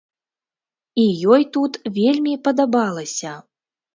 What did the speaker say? І ёй тут вельмі падабалася.